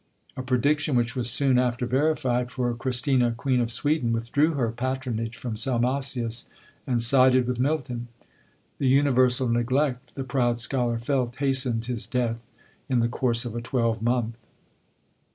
_" A prediction which was soon after verified; for Christina, Queen of Sweden, withdrew her patronage from Salmasius, and sided with Milton. The universal neglect the proud scholar felt hastened his death in the course of a twelve month.